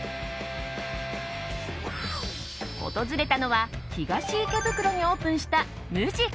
訪れたのは東池袋にオープンしたＭＵＪＩｃｏｍ。